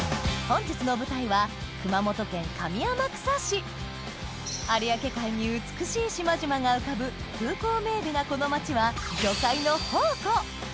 本日の舞台は有明海に美しい島々が浮かぶ風光明媚なこの街は魚介の宝庫！